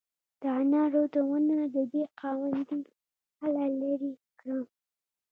د انارو د ونې د بیخ خاوندې کله لرې کړم؟